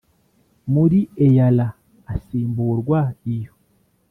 Muri eala asimburwa iyo